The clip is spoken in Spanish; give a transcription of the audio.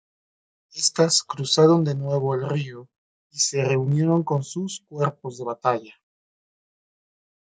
Estas cruzaron de nuevo el río y se reunieron con sus cuerpos de batalla.